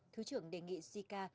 thứ trưởng đề nghị giai ca